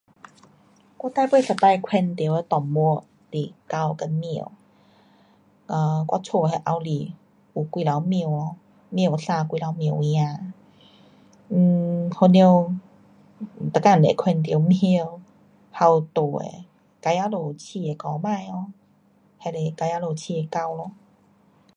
我最后一次看到的动物是狗跟猫 um 我家的那后面有几只猫哦。猫生几只猫儿 um 好了每天都会看到猫还有路的隔壁家养的狗儿哦。那是隔壁家养的狗咯。